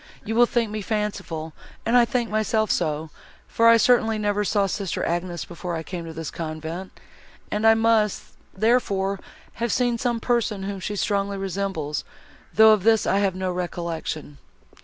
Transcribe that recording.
You will think me fanciful, and I think myself so, for I certainly never saw sister Agnes, before I came to this convent, and I must, therefore, have seen some person, whom she strongly resembles, though of this I have no recollection."